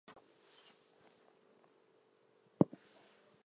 It is a more accurate version of the groma.